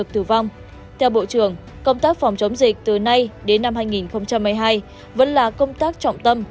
từ vong theo bộ trưởng công tác phòng chống dịch từ nay đến năm hai nghìn hai mươi hai vẫn là công tác trọng tâm